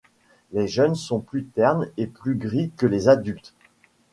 Les jeunes sont plus ternes et plus gris que les adultes.